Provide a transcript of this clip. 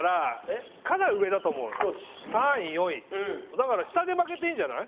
だから下で負けていいんじゃない？